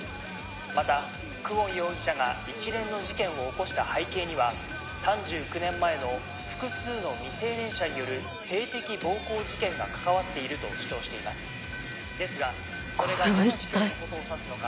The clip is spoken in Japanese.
また久遠容疑者が一連の事件を起こした背景には３９年前の複数の未成年者による性的暴行事件が関わっていると主張していますですがそれがどの事件のことを指すのか。